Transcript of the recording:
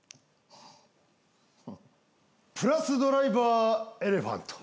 プラスドライバーエレファント。